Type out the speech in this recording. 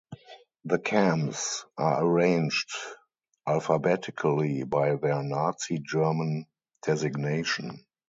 The camps are arranged alphabetically by their Nazi German designation.